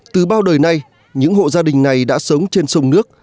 từ bao đời nay những hộ gia đình này đã sống trên sông nước